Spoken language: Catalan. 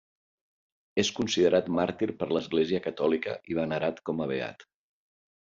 És considerat màrtir per l'Església Catòlica i venerat com a beat.